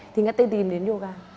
thì nghe tên tìm đến yoga